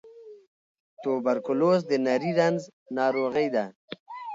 توبرکلوز د نري رنځ ناروغۍ ده.